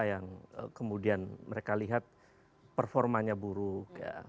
yang kemudian mereka lihat performanya buruk ya